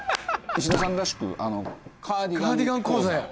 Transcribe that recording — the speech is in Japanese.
石田さんらしくカーディガン講座を。